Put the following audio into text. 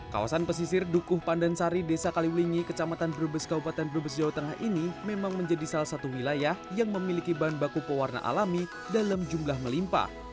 kawasan pesisir dukuh pandansari desa kaliwlingi kecamatan brebes kabupaten brebes jawa tengah ini memang menjadi salah satu wilayah yang memiliki bahan baku pewarna alami dalam jumlah melimpa